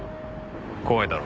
怖いだろ？